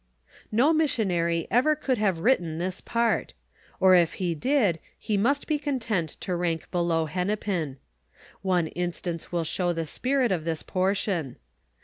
No missionary ever could have written this part; or, if he did, he mnst be content to rank below Hennepin. One instance will show the spirit of this por tion.